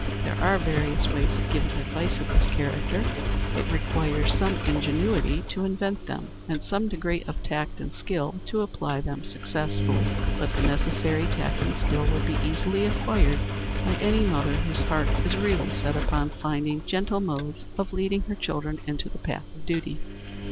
There are various ways of giving advice of this character. It requires some ingenuity to invent them, and some degree of tact and skill to apply them successfully. But the necessary tact and skill would be easily acquired by any mother whose heart is really set upon finding gentle modes of leading her child into the path of duty.